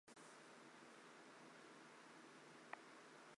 以氢氧化钾倒在菌肉上会出现黄色着色。